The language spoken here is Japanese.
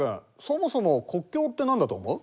そもそも国境って何だと思う？